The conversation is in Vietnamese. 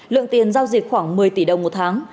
lượng tiền giao dịch khoảng một mươi tỷ đồng một tháng